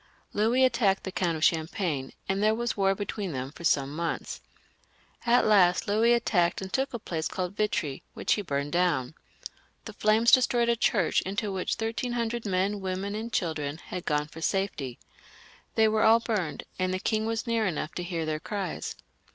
Louis attacked the Count of Champagne, and there was war between them for some months. At last Louis attacked and took a place called Vitri, which he burned down. The flames destroyed a church into which thirteen hundred men, women, and children had gone for safety. They were all burned, and the king was near enough to hear their cries.